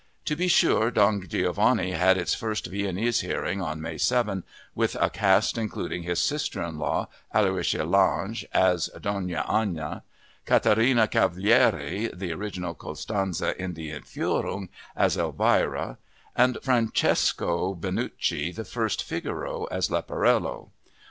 To be sure, Don Giovanni had its first Viennese hearing on May 7, with a cast including his sister in law, Aloysia Lange, as Donna Anna, Catarina Cavalieri (the original Constanze in Die Entführung) as Elvira, and Francesco Benucci, the first Figaro, as Leporello.